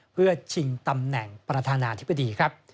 เพื่อชิงตำแหน่งประธานาธิบดีครับ